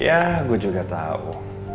ya gue juga tahu